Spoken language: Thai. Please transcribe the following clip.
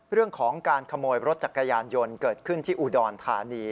เรื่องของการขโมยรถจักรยานยนต์เกิดขึ้นที่อุดรธานี